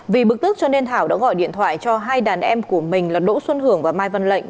vì bực tức cho nên thảo đã gọi điện thoại cho hai đàn em của mình là đỗ xuân hưởng và mai văn lệnh